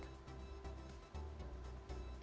saya kira apa yang telah kutipkan